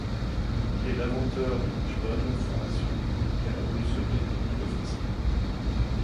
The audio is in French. Il est l'inventeur du Wishbone formation, qui a révolutionné les techniques offensives.